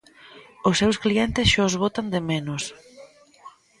Os seus clientes xa os botan de menos.